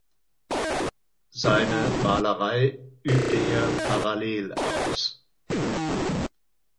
Seine Malerei übte er parallel aus.